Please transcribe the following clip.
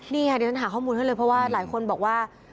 นี่ค่ะเดี๋ยวฉันหาข้อมูลให้เลยเพราะว่าหลายคนบอกว่า